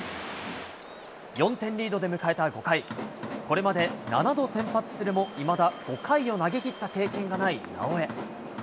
４点リードで迎えた５回、これまで７度先発するも、いまだ５回を投げきった経験がない直江。